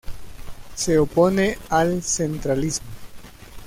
Se opone al centralismo.